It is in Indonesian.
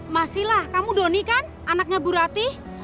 masih lah kamu doni kan anaknya bu ratih